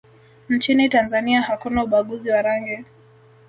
nchini tanzania hakuna ubaguzi wa rangi